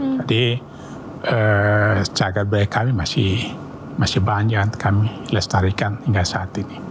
jadi sejagat belaya kami masih banyak kami lestarikan hingga saat ini